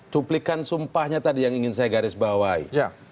cuplikan sumpahnya tadi yang ingin saya garis bawahi